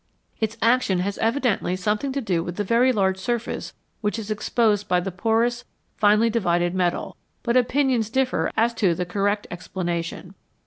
Its action has evidently something to do with the very large surface which is exposed by the porous, finely divided metal, but opinions differ as to the correct explanation.